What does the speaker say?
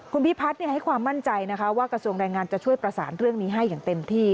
คุณพิพัฒน์ให้ความมั่นใจนะคะว่ากระทรวงแรงงานจะช่วยประสานเรื่องนี้ให้อย่างเต็มที่